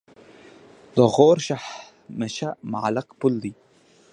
د غور شاهمشه معلق پل دی